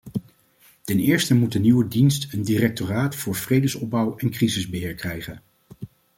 Ten eerste moet de nieuwe dienst een directoraat voor vredesopbouw en crisisbeheer krijgen.